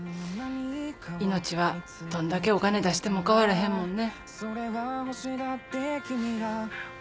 命はどんだけお金出しても買われへんもんね。